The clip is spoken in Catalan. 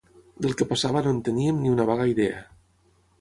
Del que passava no en teníem sinó una vaga idea